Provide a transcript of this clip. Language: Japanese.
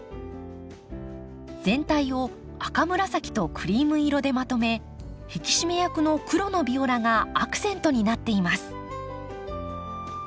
全体を赤紫とクリーム色でまとめ引き締め役の黒のビオラがアクセントになっています。